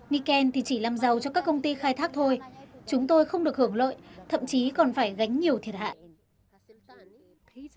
nikken thì chỉ làm giàu cho các công ty khai thác thôi chúng tôi không được hưởng lợi thậm chí còn phải gánh nhiều thiệt hại